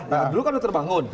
nah dulu kan udah terbangun